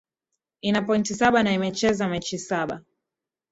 ina pointi saba na imecheza mechi saba